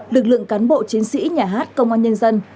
lực lượng cán bộ chiến sĩ nhà hát công an nhân dân